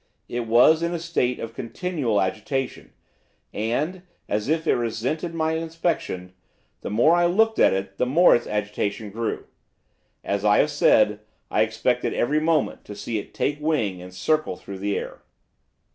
It was in a state of continual agitation; and, as if it resented my inspection, the more I looked at it the more its agitation grew. As I have said, I expected every moment to see it take wing and circle through the air.